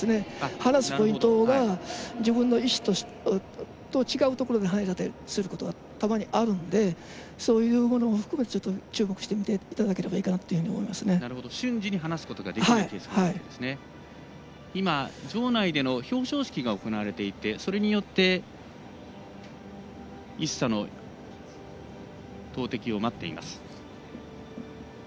離すポイントが自分の意思とは違うところで反映することがたまにあるのでそういうものを含めて注目してみていただければ今、場内での表彰式が行われていてそれによって、イッサの投てきを待っています。